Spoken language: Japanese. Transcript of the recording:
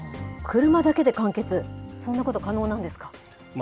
車だけで完結、そんなこと可能なんですか。